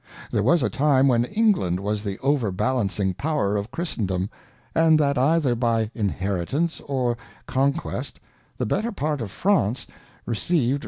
There was a time when England was the over balancing Power of Christendom, and that either by Inheritance or Conquest, the better part of France receiv'd.